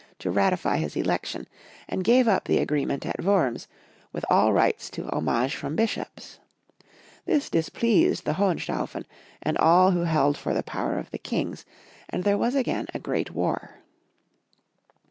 to ratify his election, and gave up the agreement at Wurms, with all rights to homage from bishops. This dis 116 Lothar U. 117 pleased the Hohenstaufen, and all who held for the power of the kings, and there was again a great war.